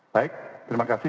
baik terima kasih